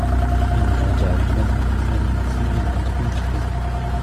إِنَّا جَعَلْنَاهُ قُرْآنًا عَرَبِيًّا لَعَلَّكُمْ تَعْقِلُونَ